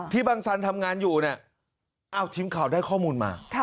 บางสันทำงานอยู่เนี่ยทีมข่าวได้ข้อมูลมา